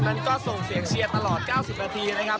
นั้นก็ส่งเสียงเชียร์ตลอด๙๐นาทีนะครับ